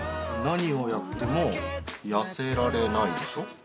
『何をやっても痩せられない』でしょ。